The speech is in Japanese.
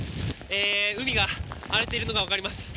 海が荒れているのが分かります。